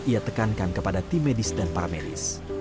ia tekankan kepada tim medis dan paramedis